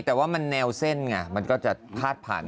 ตอนนี้เหรอ๔๒บาง๔๓กว่า๒๕บาง